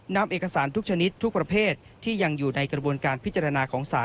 นำเอกสารทุกชนิดทุกประเภทที่ยังอยู่ในกระบวนการพิจารณาของศาล